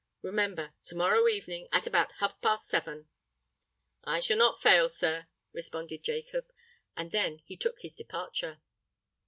Remember—to morrow evening, at about half past seven." "I shall not fail, sir," responded Jacob: and he then took his departure.